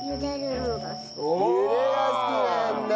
茹でが好きなんだ！